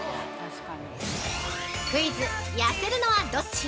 クイズ☆痩せるのはどっち？